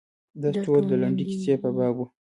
درس ټول د لنډې کیسې په باب و.